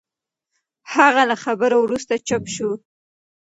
هغه له خبرو وروسته چوپ شو.